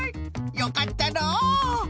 よかったのう！